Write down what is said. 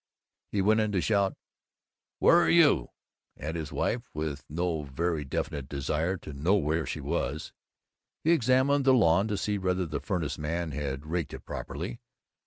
He went in to shout "Where are you?" at his wife, with no very definite desire to know where she was. He examined the lawn to see whether the furnace man had raked it properly.